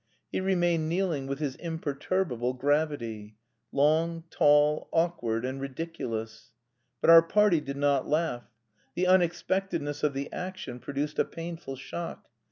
He remained kneeling with his imperturbable gravity long, tall, awkward, and ridiculous. But our party did not laugh. The unexpectedness of the action produced a painful shock.